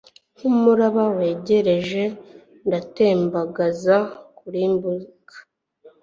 nkumuraba wegereje ndatembagaza kurimbuka